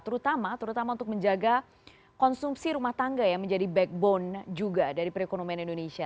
terutama terutama untuk menjaga konsumsi rumah tangga yang menjadi backbone juga dari perekonomian indonesia